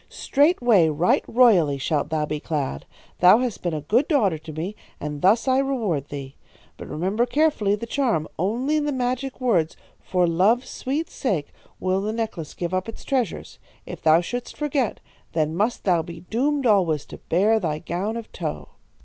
"'Straightway, right royally shalt thou be clad. Thou hast been a good daughter to me, and thus I reward thee. But remember carefully the charm. Only to the magic words, "For love's sweet sake," will the necklace give up its treasures. If thou shouldst forget, then must thou be doomed alway to bear thy gown of tow.'